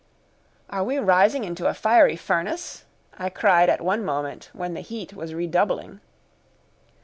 "Are we rising into a fiery furnace?" I cried at one moment when the heat was redoubling.